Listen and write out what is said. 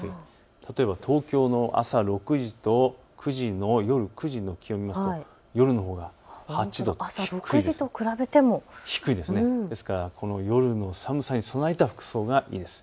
例えば東京の朝６時と夜９時の気温、夜のほうが８度低い、ですから、夜の寒さに備えた服装がいいです。